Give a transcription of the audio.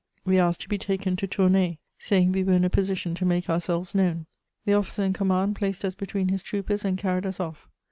We asked to be taken to Tournay, saying we were in a position to make ourselves known. The officer in command placed us between his troopers and carried us off.